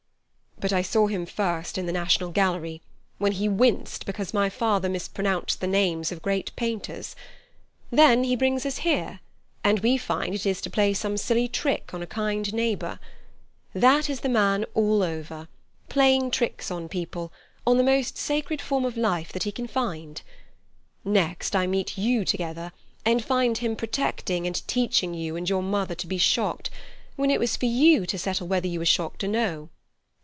But I saw him first in the National Gallery, when he winced because my father mispronounced the names of great painters. Then he brings us here, and we find it is to play some silly trick on a kind neighbour. That is the man all over—playing tricks on people, on the most sacred form of life that he can find. Next, I meet you together, and find him protecting and teaching you and your mother to be shocked, when it was for you to settle whether you were shocked or no.